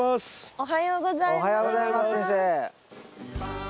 おはようございます先生。